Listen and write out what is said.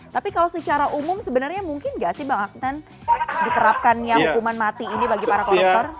tapi kalau secara umum sebenarnya mungkin nggak sih bang aknan diterapkannya hukuman mati ini bagi para koruptor